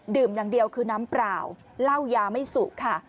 อย่างเดียวคือน้ำเปล่าเล่ายาไม่สุกค่ะ